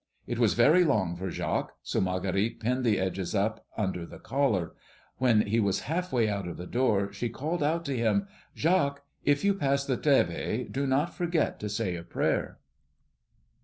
It was very long for Jacques, so Marguerite pinned the edges up under the collar. When he was halfway out of the door she called out to him, "Jacques, if you pass the Trèves do not forget to say a prayer."